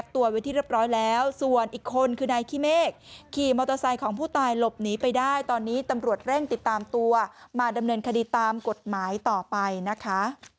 ตอนนี้อัตราตัวมาดำเนินคดีตามกฎหมายต่อไปนะคะ